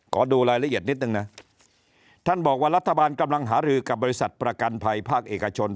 ขอดูรายละเอียดนิดนึงนะท่านบอกว่ารัฐบาลกำลังหารือกับบริษัทประกันภัยภาคเอกชน